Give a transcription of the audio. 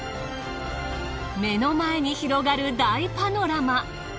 目の前に広がる大パノラマ。